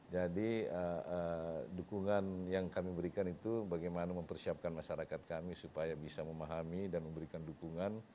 jadi dukungan yang kami berikan itu bagaimana mempersiapkan masyarakat kami supaya bisa memahami dan memberikan dukungan